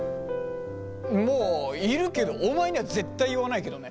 まあいるけどお前には絶対言わないけどね。